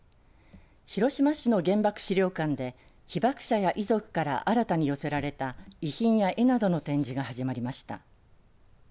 広島市の原爆資料館で被爆者や遺族から新たに寄せられた遺品や絵などの展示が始まりました。